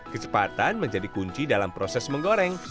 kecepatan menjadi kunci dalam proses menggoreng